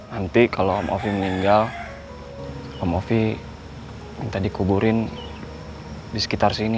nanti kalau movi meninggal om ovi minta dikuburin di sekitar sini